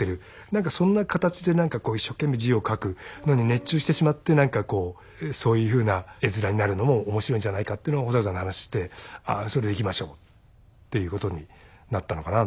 何かそんな形で何かこう一生懸命字を書くのに熱中してしまって何かこうそういうふうな絵面になるのも面白いんじゃないかというのを保坂さんと話してそれでいきましょうっていうことになったのかな